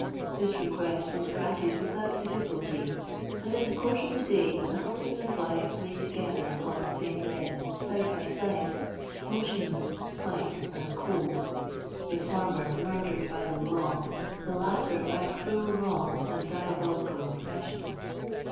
This request was granted without difficulty; and in the course of the day the husband and wife lay together upon the same bed—side by side—motionless, white, and cold,—the former murdered by the law, the latter by cruel wrong and diabolical oppression.